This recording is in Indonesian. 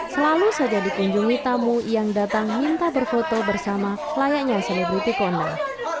selalu saja dikunjungi tamu yang datang minta berfoto bersama layaknya selebriti kondor